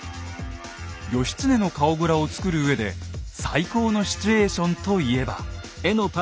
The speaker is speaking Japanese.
義経の顔グラを作るうえで最高のシチュエーションといえば。